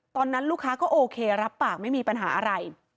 ตอนนั้นลูกค้าก็โอเครับปากไม่มีปัญหาอะไร